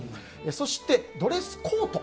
そして、ドレスコート。